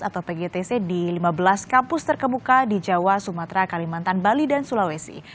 atau pgtc di lima belas kampus terkemuka di jawa sumatera kalimantan bali dan sulawesi